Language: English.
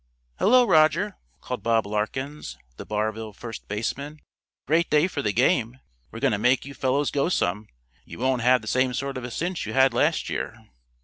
"Hello, Roger!" called Bob Larkins, the Barville first baseman. "Great day for the game. We're going to make you fellows go some. You won't have the same sort of a cinch you had last year."